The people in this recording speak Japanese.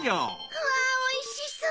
うわおいしそう！